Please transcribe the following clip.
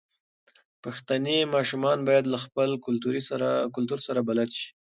پښتني ماشومان بايد له خپل کلتور سره بلد شي.